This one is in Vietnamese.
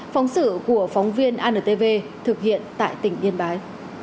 phóng sự của phóng viên antv thực hiện tại tỉnh yên bái